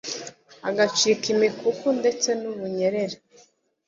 hagacika imikuku ndetse n’ubunyerere.